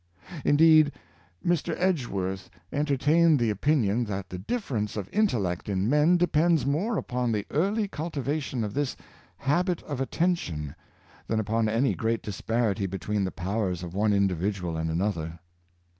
Indeed, Mr. Edgeworth entertained the opinion that the difference of intellect in men depends more upon the early cultivation of this habit of attention^ than upon any great disparity between the powers of one individ ual and another.